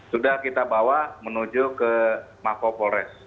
sudah kita bawa menuju ke mako polres